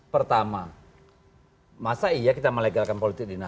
pertama masa iya kita melegalkan politik dinas